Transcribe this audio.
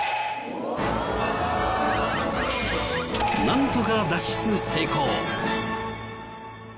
なんとか脱出成功！